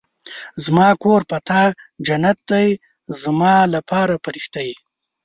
زما کور په تا جنت دی ، زما لپاره فرښته ېې